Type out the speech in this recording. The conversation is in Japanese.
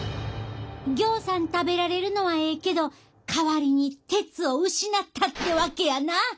ぎょうさん食べられるのはええけど代わりに鉄を失ったってわけやな。